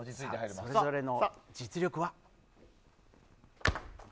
それぞれの実力は？